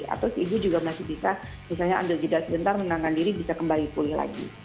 atau si ibu juga masih bisa misalnya ambil jeda sebentar menangkan diri bisa kembali pulih lagi